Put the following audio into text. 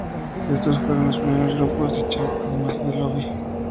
Estos fueron los primeros grupos de chat además de "lobby".